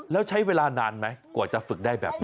แล้วใช้เวลานานไหมกว่าจะฝึกได้แบบนี้